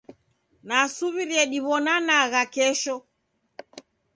Nasuw'iria diw'onanagha kesho.